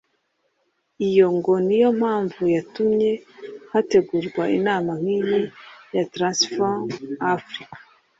Iyo ngo niyo mpamvu yatumye hategurwa inama nk’iyi ya Transform Africa